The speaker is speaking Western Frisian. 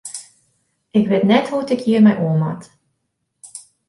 Ik wit net hoe't ik hjir mei oan moat.